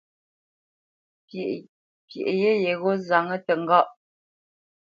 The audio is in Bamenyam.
Pyeʼ yé yegho nzáŋə təŋgáʼ.